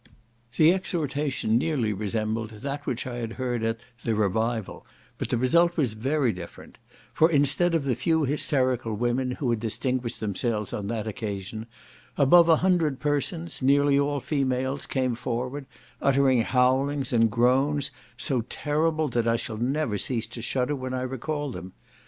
The exhortation nearly resembled that which I had heard at "the Revival," but the result was very different; for, instead of the few hysterical women who had distinguished themselves on that occasion, above a hundred persons,, nearly all females, came forward, uttering howlings and groans, so terrible that I shall never cease to shudder when I recall them.